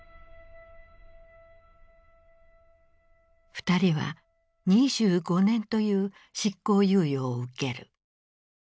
二人は２５年という執行猶予を受ける。